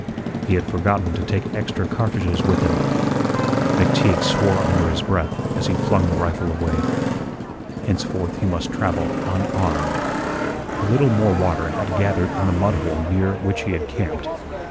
He had forgotten to take extra cartridges with him. McTeague swore under his breath as he flung the rifle away. Henceforth he must travel unarmed. A little more water had gathered in the mud hole near which he had camped.